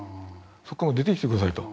そこから出てきて下さいと。